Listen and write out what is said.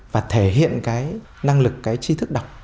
và thể hiện cái năng lực cái chi thức đọc